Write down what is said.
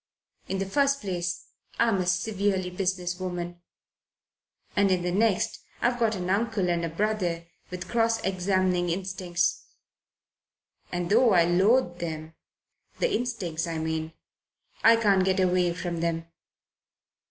"In the first place, I'm a severely business woman, and in the next I've got an uncle and a brother with cross examining instincts, and, though I loathe them the instincts, I mean I can't get away from them.